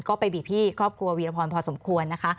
ก็ไปบีบพี่ครอบครัววีรพรพอสมควรนะคะ